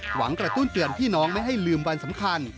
กระตุ้นเตือนพี่น้องไม่ให้ลืมวันสำคัญ